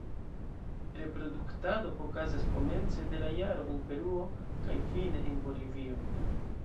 Reproduktado okazas komence de la jaro en Peruo kaj fine en Bolivio.